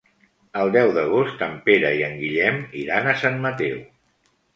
El deu d'agost en Pere i en Guillem iran a Sant Mateu.